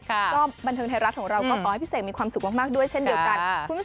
ก็บันเทิงไทยรัฐของเราก็ขอให้พี่เสกมีความสุขมากด้วยเช่นเดียวกัน